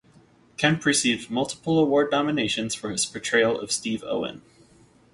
Kemp received multiple award nominations for his portrayal of Steve Owen.